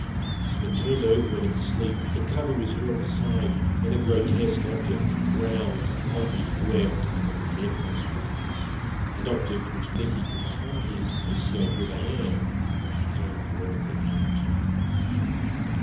It turned over in its sleep, the cover was hurled aside, and a grotesque object, round, pulpy, webbed, and of leprous whiteness an object which Letty could hardly associate with a hand came grovelling out.